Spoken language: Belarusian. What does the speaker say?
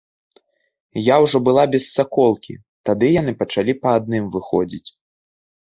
Я ўжо была без саколкі, тады яны пачалі па адным выходзіць.